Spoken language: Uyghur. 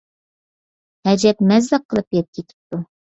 ھەجەپ مەززە قىلىپ يەپ كېتىپتۇ.